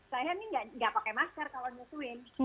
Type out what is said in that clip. saya ini tidak pakai masker kalau menyusui